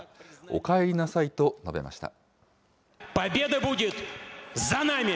お帰りなさいと述べました。